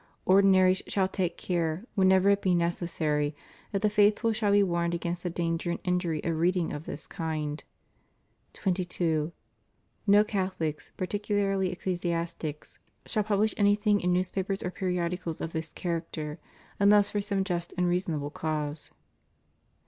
Ordinaries shall take care, whenever it be necessary, that the faithful shall be warned against the danger and injury of reading of this kind. 22. No Catholics, particularly ecclesiastics, shall pub 416 THE PROHIBITION AND CENSORSHIP OF BOOKS. lish anything in newspapers or periodicals of this character, unless for some just and reasonable cause.